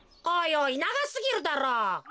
おいおいながすぎるだろ。